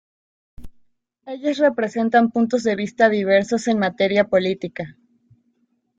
Ellos representan puntos de vista diversos en materia política.